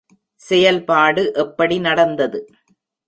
செயல்பாடு எப்படி நடந்தது?